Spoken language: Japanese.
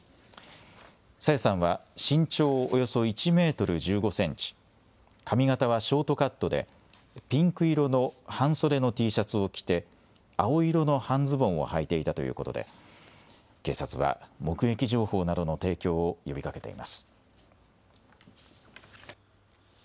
朝芽さんは身長およそ１メートル１５センチ、髪形はショートカットで、ピンク色の半袖のＴシャツを着て、青色の半ズボンをはいていたということで、警察は目撃情報などの提供を呼びかけています。